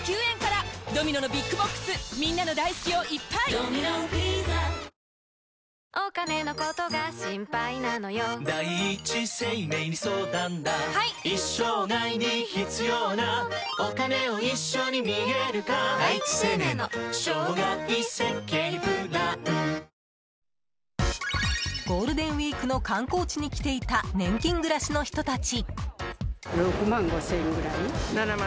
新「グリーンズフリー」ゴールデンウィークの観光地に来ていた、年金暮らしの人たち。